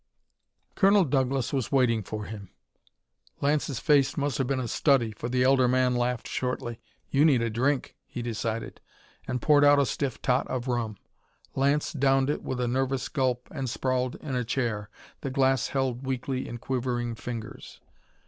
Colonel Douglas was waiting for him. Lance's face must have been a study, for the elder man laughed shortly. "You need a drink!" he decided, and poured out a stiff tot of rum. Lance downed it with a nervous gulp and sprawled in a chair, the glass held weakly in quivering fingers.